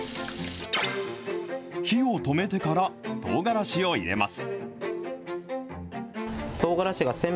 火を止めてから、とうがらしを入れます。